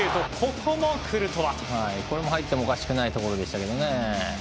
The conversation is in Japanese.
これも入ってもおかしくないところでしたけどね。